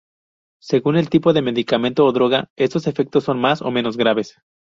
Según el tipo de medicamento o droga, estos efectos son más o menos graves.